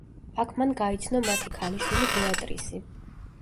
აქ მან გაიცნო მათი ქალიშვილი ბეატრისი.